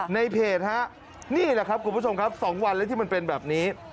ในเพจฮะนี่แหละครับคุณผู้ชมครับ๒วันแล้วที่มันเป็นแบบนี้